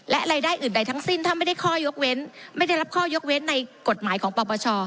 และรายได้อื่นใดทั้งสิ้นถ้าไม่ได้รับข้อยกเว้นในกฎหมายของปปช